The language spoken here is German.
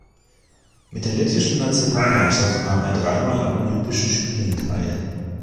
Mit der lettischen Nationalmannschaft nahm er dreimal an Olympischen Spielen teil.